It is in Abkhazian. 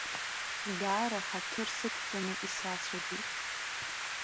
Даара ҳаҭыр сықәҵаны исацәажәеит.